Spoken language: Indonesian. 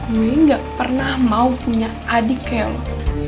gue gak pernah mau punya adik kayak lo